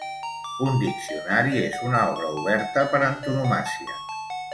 Un diccionari és una obra oberta per antonomàsia.